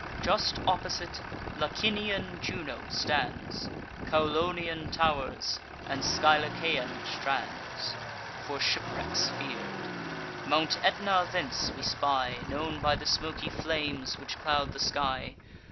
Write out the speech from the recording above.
Just opposite, Lacinian Juno stands; Caulonian tow'rs, and Scylacaean strands, For shipwrecks fear'd. Mount Aetna thence we spy, Known by the smoky flames which cloud the sky.